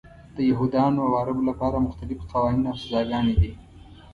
د یهودانو او عربو لپاره مختلف قوانین او سزاګانې دي.